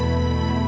biar gak masalah